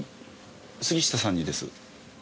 杉下さんにです。